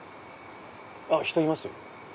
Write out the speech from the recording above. あっ人いますよ。